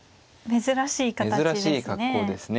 珍しい形ですね。